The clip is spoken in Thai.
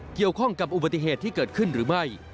เกี่ยวข้องกับอุบัติเหตุที่เกิดขึ้นหรือไม่